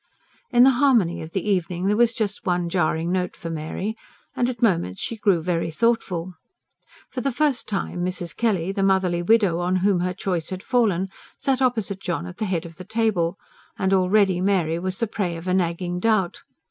In the harmony of the evening there was just one jarring note for Mary; and at moments she grew very thoughtful. For the first time Mrs. Kelly, the motherly widow on whom her choice had fallen, sat opposite John at the head of the table; and already Mary was the prey of a nagging doubt.